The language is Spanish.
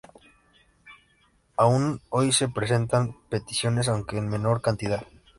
Aún hoy se presentan peticiones aunque en menor cantidad.